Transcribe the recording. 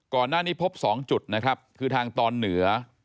ก่อนหน้านี้พบ๒จุดนะครับคือทางตอนเหนือ